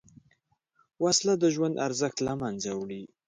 وسله د ژوند ارزښت له منځه وړي